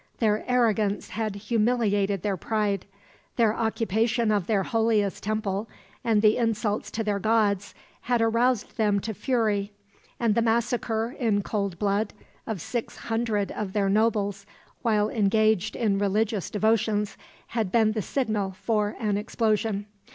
Their arrogance had humiliated their pride. Their occupation of their holiest temple and the insults to their gods had aroused them to fury; and the massacre, in cold blood, of six hundred of their nobles, while engaged in religious devotions, had been the signal for an explosion.